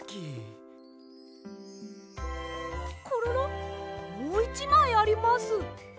コロロもう１まいあります。